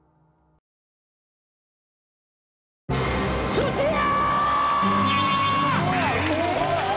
土屋！